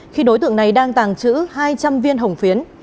khi đối tượng này đang tàng trữ hai trăm linh viên hồng phiến